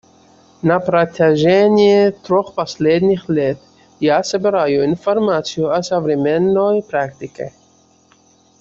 На протяжении трех последних лет я собираю информацию о современной практике.